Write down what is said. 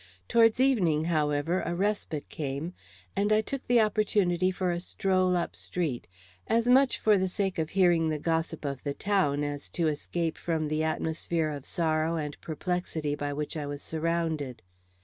Towards evening, however, a respite came, and I took the opportunity for a stroll up street, as much for the sake of hearing the gossip of the town as to escape from the atmosphere of sorrow and perplexity by which I was surrounded.